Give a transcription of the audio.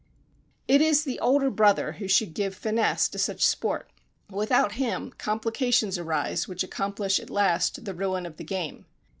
It is the older brother who should give finesse to such sport. Without him, complications arise which accomplish at last the ruin of the game.